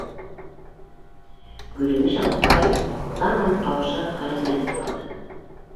Гөлйемеш апай тамам ҡаушап, хәлһеҙләнеп ҡалды.